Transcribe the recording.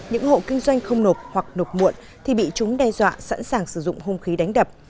những hộ kinh doanh không nộp hoặc nộp muộn thì bị chúng đe dọa sẵn sàng sử dụng hung khí đánh đập